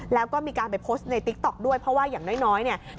แล้วก็มีการไปโพสต์ในติ๊กต๊อกด้วยเพราะว่าอย่างน้อยเนี่ย